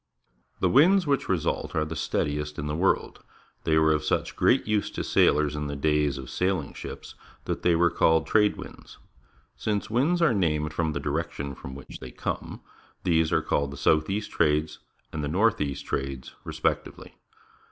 The winds which result are the steadiest in the world. They were of such great use to sailors in the days of sailing ships that they were called Trade winds. Since winds are named from the direction from which they come, these are called the South east Trades and the A'orth east Trades, respec tively.